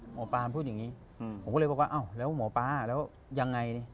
หมอปลาพูดอย่างนี้ผมก็เลยบอกว่าอ้าวแล้วหมอปลาแล้วยังไงดิ